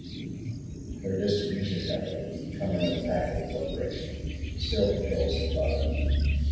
Their distribution company, Cumberland Packing Corporation, still controls the product.